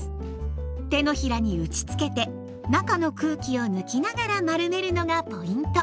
手のひらに打ちつけて中の空気を抜きながら丸めるのがポイント。